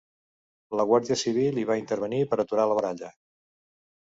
La guàrdia civil hi va intervenir per aturar la baralla.